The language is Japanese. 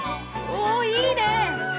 おおいいね！